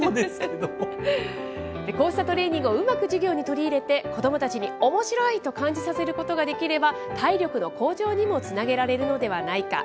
こうしたトレーニングをうまく授業に取り入れて、子どもたちにおもしろいと感じさせることができれば、体力の向上にもつなげられるのではないか。